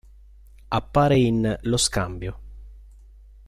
Appare in "Lo scambio.